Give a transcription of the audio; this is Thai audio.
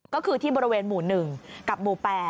ก็คือที่บริเวณหมู่๑กับหมู่๘